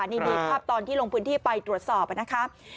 นี่อยู่คราบตอนที่ลงพื้นที่ไปตรวจสอบนะคะ